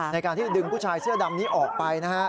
ในการที่จะดึงผู้ชายเสื้อดำนี้ออกไปนะฮะ